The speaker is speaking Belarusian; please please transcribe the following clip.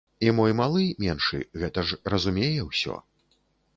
І мой малы, меншы, гэта ж разумее ўсё.